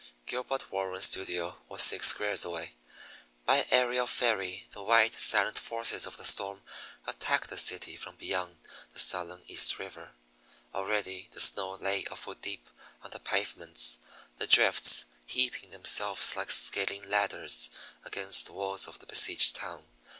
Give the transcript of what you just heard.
Gilbert Warren's studio was six squares away. By aerial ferry the white, silent forces of the storm attacked the city from beyond the sullen East River. Already the snow lay a foot deep on the pavements, the drifts heaping themselves like scaling ladders against the walls of the besieged town.